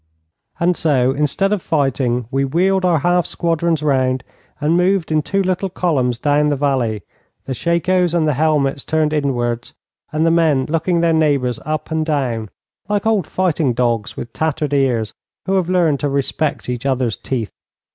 And so, instead of fighting, we wheeled our half squadrons round and moved in two little columns down the valley, the shakos and the helmets turned inwards, and the men looking their neighbours up and down, like old fighting dogs with tattered ears who have learned to respect each other's teeth.